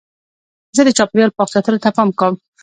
زه د چاپېریال پاک ساتلو ته پام کوم.